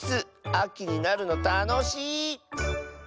あきになるのたのしい。